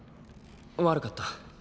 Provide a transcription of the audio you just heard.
悪かった。